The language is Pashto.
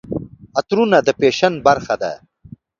عطرونه د فیشن برخه ده.